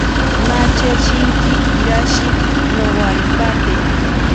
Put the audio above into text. Nache shinki irashi nowaripate.